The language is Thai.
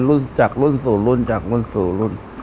รุ่นจากรุ่นสู่รุ่นจากรุ่นสู่รุ่น